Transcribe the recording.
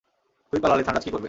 তুই পালালে, থানরাজ কী করবে?